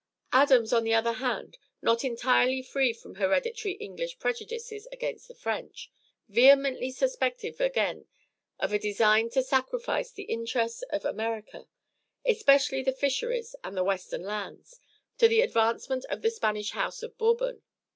Adams, on the other hand, not entirely free from hereditary English prejudices against the French, vehemently suspected Vergennes of a design to sacrifice the interests of America, especially the fisheries and the western lands, to the advancement of the Spanish house of Bourbon.